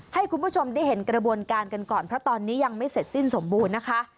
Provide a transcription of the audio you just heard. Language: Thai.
ให้คุณผู้ชมได้เห็นกระบวนการกันก่อนเพราะตอนนี้ยังไม่เสร็จสิ้นสมบูรณ์นะคะ